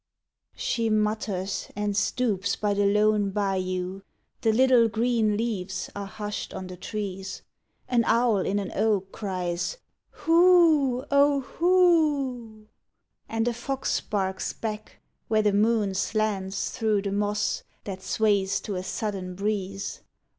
She mutters and stoops by the lone bayou The little green leaves are hushed on the trees An owl in an oak cries "Who oh who," And a fox barks back where the moon slants through The moss that sways to a sudden breeze